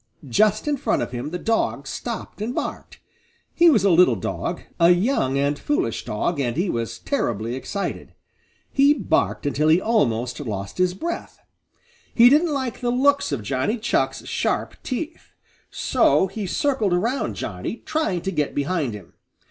Just in front of him the dog stopped and barked. He was a little dog, a young and foolish dog, and he was terribly excited. He barked until he almost lost his breath. He didn't like the looks of Johnny Chuck's sharp teeth. So he circled around Johnny, trying to get behind him.